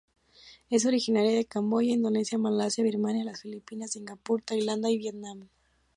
Es originaria de Camboya, Indonesia, Malasia, Birmania, las Filipinas, Singapur, Tailandia, y Vietnam.